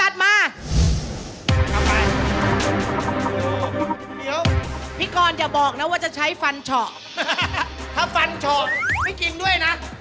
อ่ะมาได้เลยพี่กรเชิญ